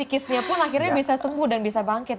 pkisnya pun akhirnya bisa sembuh dan bisa bangkit